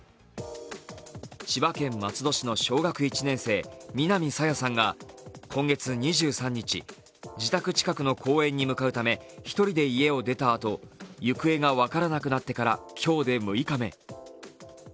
千葉県松戸市の小学１年生、南朝芽さんが今月２３日、自宅近くの公園に向かうため１人で家を出たあと行方が分からなくなってから今日で６日目。